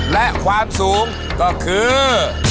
และความสูงก็คือ